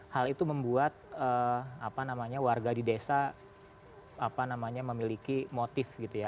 hal itu membuat warga di desa memiliki motif gitu ya